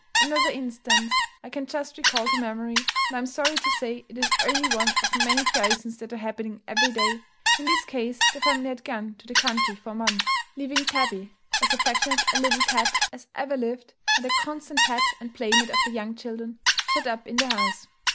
Another instance I can just recall to memory, and I am sorry to say, it is only one of many thousands that are happening every day. In this case, the family had gone to the country for a month, leaving Tabby as affectionate a little cat as ever lived, and the constant pet and playmate of the young children shut up in the house.